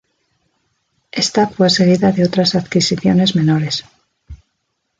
Esta fue seguida de otras adquisiciones menores.